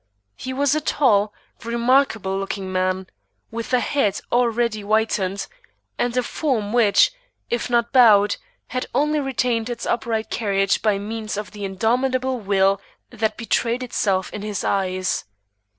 He was a tall, remarkable looking man, with a head already whitened, and a form which, if not bowed, had only retained its upright carriage by means of the indomitable will that betrayed itself in his eyes.